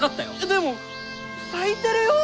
でも咲いてるよ！